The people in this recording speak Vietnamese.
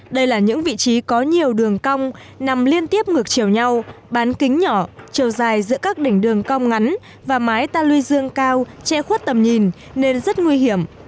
đây là những vị trí có nhiều đường cong nằm liên tiếp ngược chiều nhau bán kính nhỏ chiều dài giữa các đỉnh đường cong ngắn và mái ta luy dương cao che khuất tầm nhìn nên rất nguy hiểm